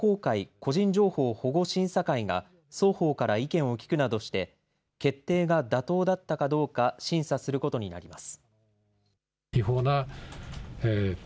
・個人情報保護審査会が双方から意見を聞くなどして決定が妥当だったかどうか審査することになります。